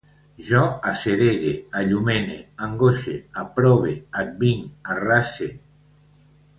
Jo assedegue, allumene, angoixe, aprove, advinc, arrase